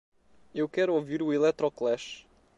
Eu quero ouvir o Electroclash